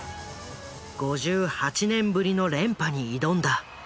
５８年ぶりの連覇に挑んだ。